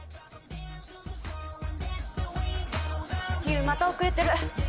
美羽また遅れてる